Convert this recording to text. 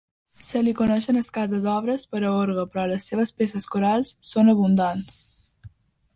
Se li coneixen escasses obres per a orgue, però les seves peces corals són abundants.